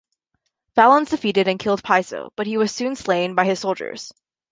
Valens defeated and killed Piso, but he was soon slain by his soldiers.